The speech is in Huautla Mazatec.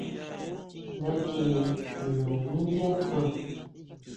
Nda chine niño nuyá san.